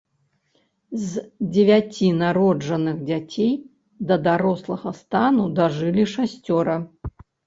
З дзевяці народжаных дзяцей да дарослага стану дажылі шасцёра.